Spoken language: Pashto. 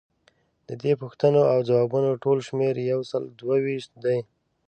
ددې پوښتنو او ځوابونو ټول شمیر یوسلو دوه ویشت دی.